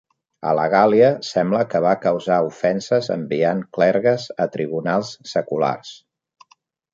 A la Gàl·lia, sembla que va causar ofenses enviant clergues a tribunals seculars.